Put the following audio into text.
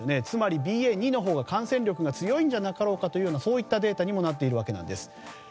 つまりＢＡ．２のほうが感染力が強いんじゃなかろうかというそういったデータになっているわけです。